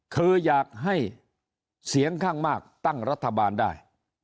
คืออยากให้เสียงข้างมากตั้งรัฐบาลได้